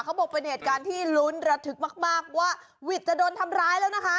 เขาบอกเป็นเหตุการณ์ที่ลุ้นระทึกมากว่าวิทย์จะโดนทำร้ายแล้วนะคะ